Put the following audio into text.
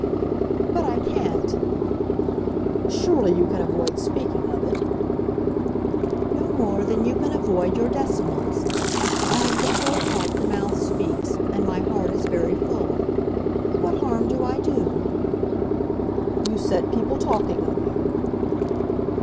"But I can't." "Surely you can avoid speaking of it." "No more than you can avoid your decimals. Out of the full heart the mouth speaks, and my heart is very full. What harm do I do?" "You set people talking of you."